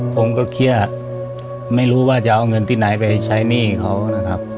ผมก็เครียดไม่รู้ว่าจะเอาเงินที่ไหนไปใช้หนี้เขานะครับ